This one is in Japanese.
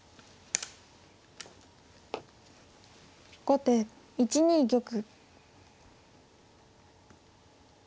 後手１二玉。